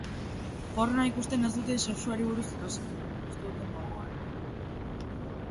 Pornoa ikusten ez dute sexuari buruz ikasiko, uste duten moduan.